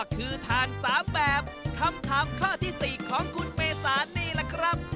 คำถามข้อที่สี่ของคุณเมษานี่ล่ะครับ